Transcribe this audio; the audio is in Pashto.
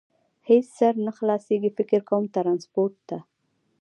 هېڅ سر نه خلاصېږي، فکر کوم، ترانسپورټ ته.